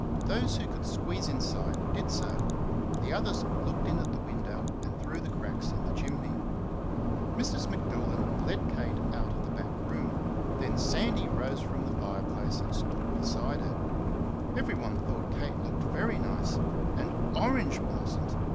Those who could squeeze inside did so the others looked in at the window and through the cracks in the chimney. Mrs. M'Doolan led Kate out of the back room; then Sandy rose from the fire place and stood beside her. Everyone thought Kate looked very nice and orange blossoms!